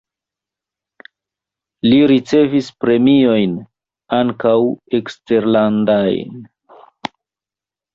Li ricevis premiojn (ankaŭ eksterlandajn).